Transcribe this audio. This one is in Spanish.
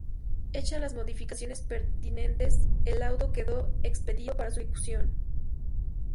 Hecha las modificaciones pertinentes, el laudo quedó expedito para su ejecución.